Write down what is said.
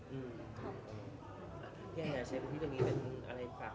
ฝากบอกไปถึงเขาไหมคะ